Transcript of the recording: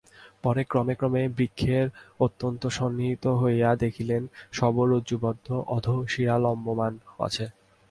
পরে ক্রমে ক্রমে বৃক্ষের অত্যন্ত সন্নিহিত হইয়া দেখিলেন শব রজ্জুবদ্ধ অধঃশিরাঃ লম্বমান আছে।